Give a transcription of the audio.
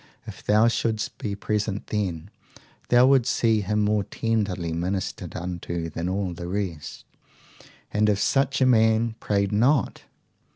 If thou shouldst be present then, thou wilt see him more tenderly ministered unto than all the rest. And if such a man prayed not?